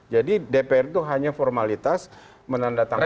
jadi dprd itu hanya formalitas menandatangani